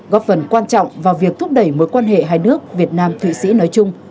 góp phần quan trọng vào việc thúc đẩy mối quan hệ hai nước việt nam thụy sĩ nói chung